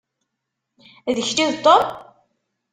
D kečč i d Tom?